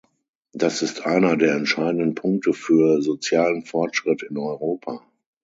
Das ist einer der entscheidenden Punkte für sozialen Fortschritt in Europa.